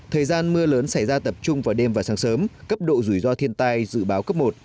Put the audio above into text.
thời gian mưa lớn xảy ra tập trung vào đêm và sáng sớm cấp độ rủi ro thiên tai dự báo cấp một